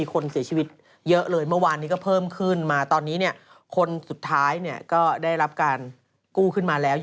ก็ให้แองจี้พูดคนเดียวเลย